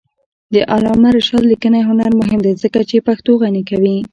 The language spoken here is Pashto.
د علامه رشاد لیکنی هنر مهم دی ځکه چې پښتو غني کوي.